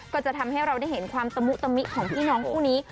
ก็จะทำให้เราได้เห็นความตะมุตมิของพี่น้องคู่นี้